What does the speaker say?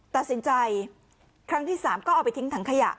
ตัดสินใจครั้งที่๓ก็เอาไปทิ้งถังขยะ